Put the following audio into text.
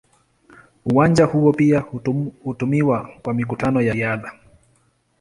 Uwanja huo pia hutumiwa kwa mikutano ya riadha.